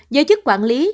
giới chức quản lý